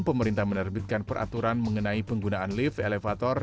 pemerintah menerbitkan peraturan mengenai penggunaan lift elevator